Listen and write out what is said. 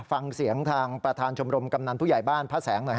ฟังเสียงทางประธานชมรมกำนันผู้ใหญ่บ้านพระแสงหน่อยฮ